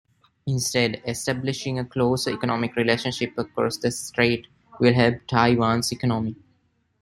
Instead, establishing a closer economic relationship across the strait will help Taiwan's economy.